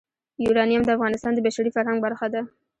یورانیم د افغانستان د بشري فرهنګ برخه ده.